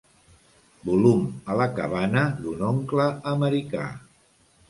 Volum a la cabana d'un oncle americà.